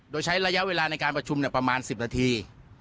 โดยใช้ระยะเวลาในการประชุมประมาณ๑๐นาที